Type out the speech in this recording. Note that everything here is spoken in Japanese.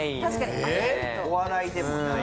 お笑いでもない。